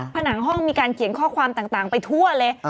ผนังห้องมีการเขียนข้อความต่างไปทั่วเลย